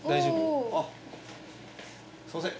おぉすいません